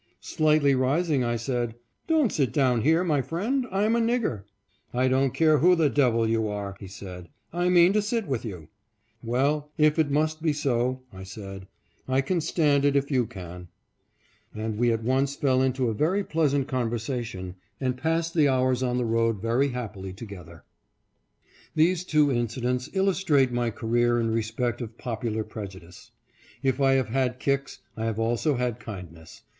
Slightly rising, I said, " Don't sit down here, my friend, I am a nigger." " I don't care who the devil you are," he said, " I mean to sit with you." l\ Well, if it must be so," I said, " I can stand it if you can," and we at once fell into a very pleasant conversation, and passed the hours on the 564 CITIZENS OF ROCHESTER SHOW THEIR APPRECIATION. road very happily together. These two incidents illus trate my career in respect of popular prejudice. If I have had kicks, I have also had kindness.